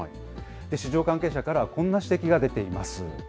市場関係者からは、こんな指摘が出ています。